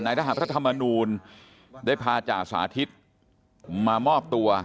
ทหารพระธรรมนูลได้พาจ่าสาธิตมามอบตัว